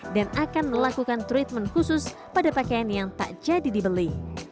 dan akan melakukan treatment khusus pada pakaian yang tak jadi dibeli